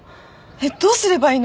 えっどうすればいいの？